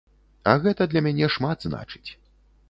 А гэта для мяне шмат значыць.